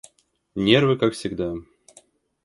Нервы как всегда.